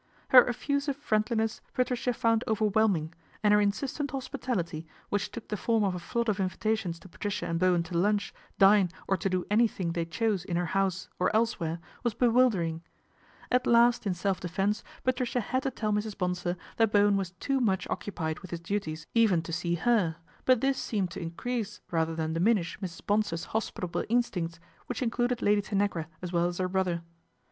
Her effusive friendliness Patricia found over whelming, and her insistent hospitality, which took the form of a flood of invitations to Patricia and Bowen to lunch, dine or to do anything they chose in her house or elsewhere, was bewildering PATRICIA'S INCONSTANCY 229 At last in self defence Patricia had to tell Mrs. Bonsor that Bowen was too much occupied with his duties even to see her ; but this seemed to increase rather than diminish Mrs. Bonsor's jhospitable instincts, which included Lady Tanagra ,as well as her brother.